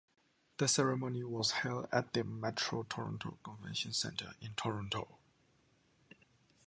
The ceremony was held at the Metro Toronto Convention Centre in Toronto.